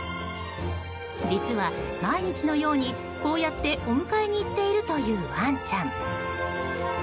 実は、毎日のようにこうやってお迎えに行っているというワンちゃん。